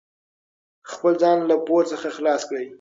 خپل ځان له پور څخه خلاص کړئ.